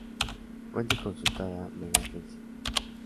Fuente consultada: Mega Agency.